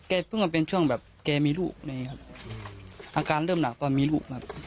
เพิ่งมาเป็นช่วงแบบแกมีลูกเลยครับอาการเริ่มหนักตอนมีลูกครับ